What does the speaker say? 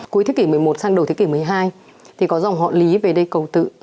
cuối thế kỷ một mươi một sang đầu thế kỷ một mươi hai thì có dòng họ lý về đây cầu tự